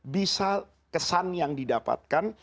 bisa kesan yang didapatkan